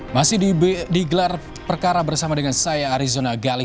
masih digelar perkara bersama dengan saya arizona gali